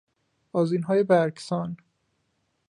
آذینهای برگسان